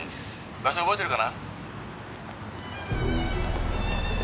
場所覚えてるかな？